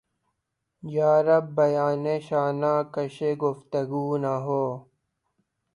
یارب! بیانِ شانہ کشِ گفتگو نہ ہو!